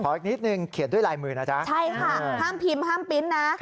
อีกนิดนึงเขียนด้วยลายมือนะจ๊ะใช่ค่ะห้ามพิมพ์ห้ามปริ้นต์นะ